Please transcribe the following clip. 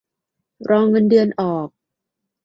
รอเงินเดือนออก